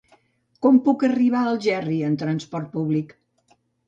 Com puc arribar a Algerri amb trasport públic?